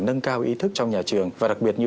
nâng cao ý thức trong nhà trường và đặc biệt như